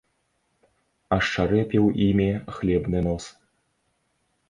Ашчарэпіў імі хлебны нос.